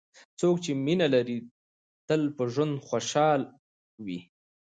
څوک چې مینه لري، تل په ژوند خوشحال وي.